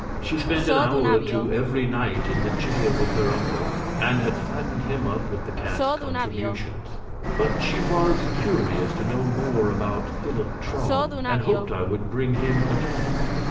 She spent an hour or two every night in the jail with her uncle, and had fattened him up with the cat's contributions. But she was curious to know more about Philip Traum, and hoped I would bring him again.